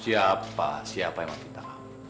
siapa siapa yang mau kita ambil